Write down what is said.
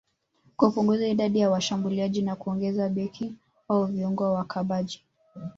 kupunguza idadi ya washambuliaji na kuongeza beki au viungo wakabaji